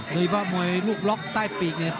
เลยแบบมวยลูกล็อกใต้ปีกเนี่ย